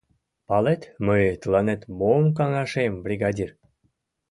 — Палет, мый тыланет мом каҥашем, бригадир...